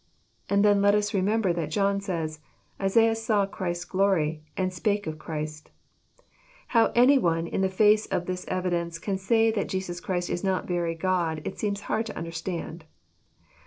And then let us remember that John says, "Esaias saw Christ's glory, and spake of Christ I "— How any one, in the face of this evidence, can say that Jesus Christ is not very God, it seems hard to under stand.